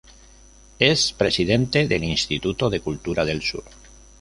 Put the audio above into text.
Es presidente del Instituto de Cultura del Sur.